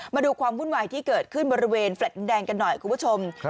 มาดูความวุ่นวายที่เกิดขึ้นบริเวณแฟลต์ดินแดงกันหน่อยคุณผู้ชม